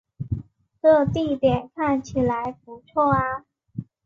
这地点看起来不错啊